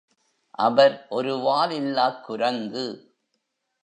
அவர் ஒரு வால் இல்லாக் குரங்கு!